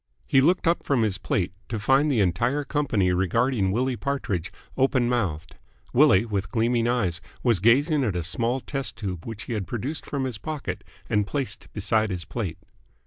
He looked up from his plate, to find the entire company regarding Willie Partridge open mouthed. Willie, with gleaming eyes, was gazing at a small test tube which he had produced from his pocket and placed beside his plate.